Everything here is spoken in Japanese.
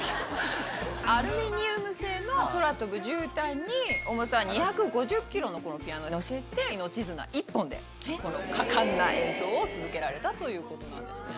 アルミニウム製の空飛ぶ絨毯に重さ２５０ｋｇのこのピアノをのせて命綱１本でこの果敢な演奏を続けられたということなんですね。